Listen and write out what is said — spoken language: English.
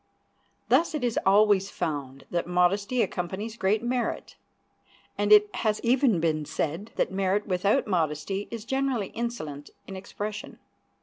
Thus it is always found that modesty accompanies great merit, and it has even been said that merit without modesty is generally insolent in expression.